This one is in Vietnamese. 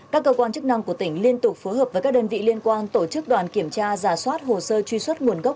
các cơ quan chức năng của tỉnh liên tục phối hợp với các đơn vị liên quan tổ chức đoàn kiểm tra giả soát hồ sơ truy xuất nguồn gốc